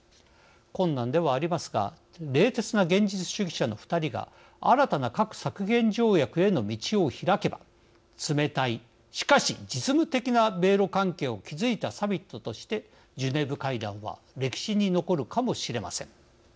困難ではありますが冷徹な現実主義者の２人が新たな核削減条約への道を開けば冷たいしかし実務的な米ロ関係を築いたサミットとしてジュネーブ会談は歴史に残るかもしれません。